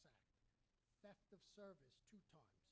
ketiga perjalanan mudik